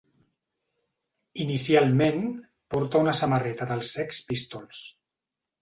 Inicialment, porta una samarreta dels Sex Pistols.